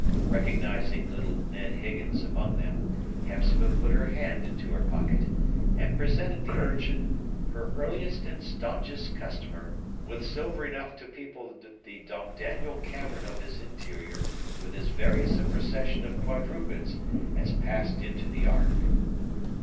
Recognizing little Ned Higgins among them, Hepzibah put her hand into her pocket, and presented the urchin, her earliest and staunchest customer, with silver enough to people the Domdaniel cavern of his interior with as various a procession of quadrupeds as passed into the ark.